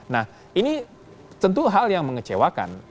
nah ini tentu hal yang mengecewakan